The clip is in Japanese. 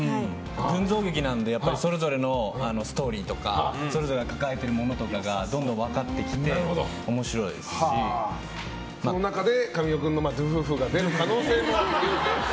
群像劇なのでそれぞれのストーリーとかそれぞれが抱えてるものとかどんどん分かってきてその中で神尾君のドゥフフが出る可能性も。